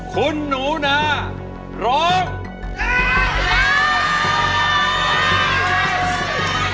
คุณหนุนาร้องได้